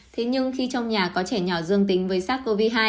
thế nhưng khi trong nhà có trẻ nhỏ dương tính với sars cov hai